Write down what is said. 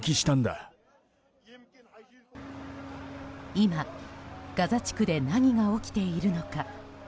今、ガザ地区で何が起きているのか。